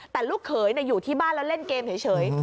แต่ลูกเขยอยู่ที่บ้านแล้วเล่นเกมเฉย